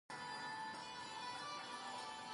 په بيالوژي کې فطرت د هر ژوندي سري هغو ځانګړنو ته وايي،